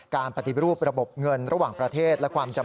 การปฏิบิรูประบบเงินระหว่างประเทศ